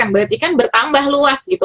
berarti kan bertambah luas gitu